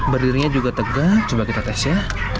berdirinya juga tegang coba kita tes ya